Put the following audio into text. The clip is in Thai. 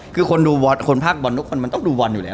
คือคนดูบอลคนภาคบอลทุกคนมันต้องดูบอลอยู่แล้ว